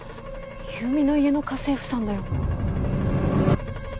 優美の家の家政婦さんだよ。